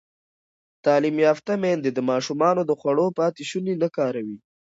تعلیم یافته میندې د ماشومانو د خوړو پاتې شوني نه کاروي.